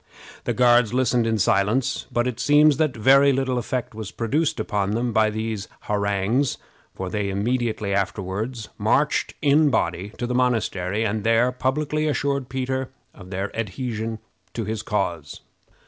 The Guards listened in silence; but it seems that very little effect was produced upon them by these harangues, for they immediately afterward marched in a body to the monastery, and there publicly assured Peter of their adhesion to his cause.